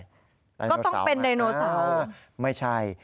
ก็ต้องเป็นไดโนเสาร์ไม่ใช่